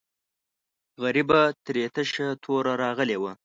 غریبه ترې تشه توره راغلې وه.